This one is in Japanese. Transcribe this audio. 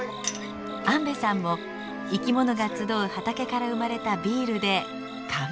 安部さんも生きものが集う畑から生まれたビールで乾杯。